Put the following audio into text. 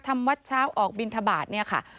วัดเช้าออกบินทบาทเนี่ยค่ะ